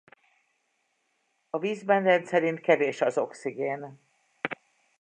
A vízben rendszerint kevés az oxigén.